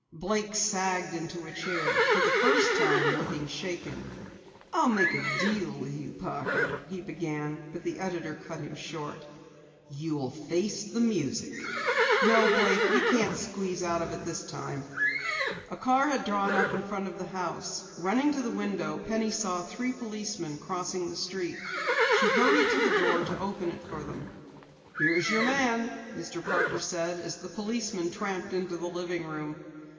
Blake sagged into a chair, for the first time looking shaken. "I'll make a deal with you, Parker," he began, but the editor cut him short. "You'll face the music! No, Blake, you can't squeeze out of it this time." A car had drawn up in front of the house. Running to the window, Penny saw three policemen crossing the street. She hurried to the door to open it for them. "Here's your man," Mr. Parker said as the policemen tramped into the living room.